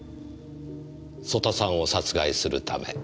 曽田さんを殺害するため。